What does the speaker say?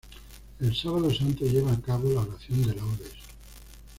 El Sábado Santo lleva a cabo la oración de laudes.